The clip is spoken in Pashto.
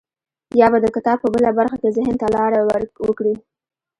يا به د کتاب په بله برخه کې ذهن ته لاره وکړي.